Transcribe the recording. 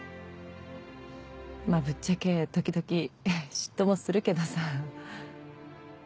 まぁぶっちゃけ時々嫉妬もするけどさ。